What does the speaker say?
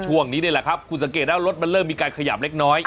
นี่แหละครับคุณสังเกตแล้วรถมันเริ่มมีการขยับเล็กน้อย